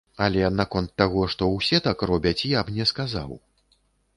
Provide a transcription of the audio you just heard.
Але наконт таго, што ўсе так робяць, я б не сказаў.